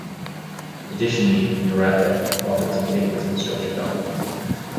Additionally, Murata authored some papers on structured document.